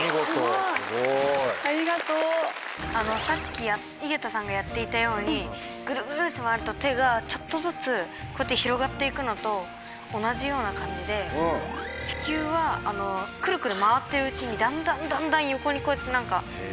さっき井桁さんがやっていたようにぐるぐるって回ると手がちょっとずつこうやって広がって行くのと同じような感じで地球はくるくる回ってるうちにだんだんだんだん横にこうやって。